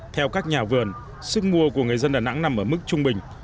theo các nhà vườn sức mua của người dân đà nẵng nằm ở mức trung bình